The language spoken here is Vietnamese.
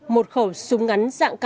một khẩu súng ngắn dạng k năm mươi bốn